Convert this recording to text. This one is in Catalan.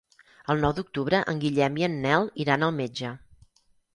El nou d'octubre en Guillem i en Nel iran al metge.